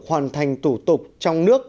hoàn thành thủ tục trong nước